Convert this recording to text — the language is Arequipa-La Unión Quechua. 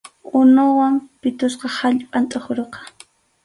Unuwan pitusqa allpam tʼuruqa.